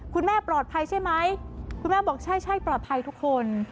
คุณแม่ปลอดภัยใช่ไหมคุณแม่บอกใช่ปลอดภัยทุกคน